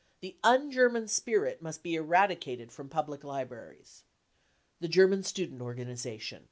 The un German spirit must be eradicated from public libraries ... The German Student Organisation.